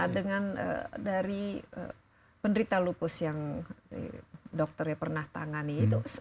dari penderitaan lubus yang dokternya pernah tangani